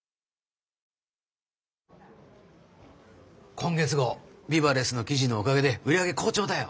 今月号ＢＩＢＡＬＥＳＳの記事のおかげで売り上げ好調だよ。